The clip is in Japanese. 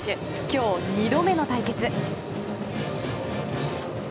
今日２度目の対決。